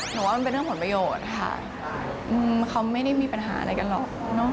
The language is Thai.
ว่ามันเป็นเรื่องผลประโยชน์ค่ะเขาไม่ได้มีปัญหาอะไรกันหรอก